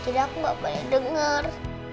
jadi aku nggak boleh denger